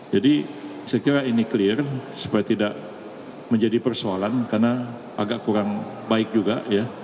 jadi saya kira ini clear supaya tidak menjadi persoalan karena agak kurang baik juga ya